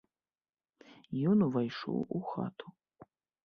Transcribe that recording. Ён увайшоў у хату.